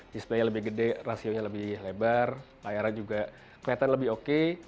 display nya lebih gede rasionya lebih lebar layarnya juga kelihatan lebih oke